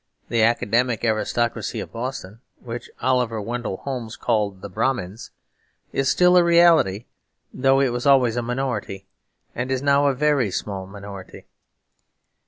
The academic aristocracy of Boston, which Oliver Wendell Holmes called the Brahmins, is still a reality though it was always a minority and is now a very small minority.